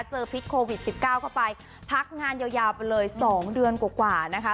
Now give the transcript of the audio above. พิษโควิด๑๙เข้าไปพักงานยาวไปเลย๒เดือนกว่านะคะ